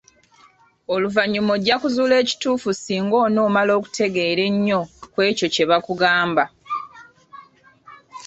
Oluvannyuma ojja kuzuula ekituufu singa onoomala okutegereza ennyo ku ekyo kye bakugamba.